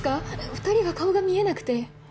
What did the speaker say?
２人は顔が見えなくて。